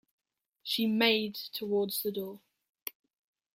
She made towards the door.